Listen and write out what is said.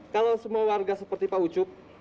kalau semua warga seperti pak ucup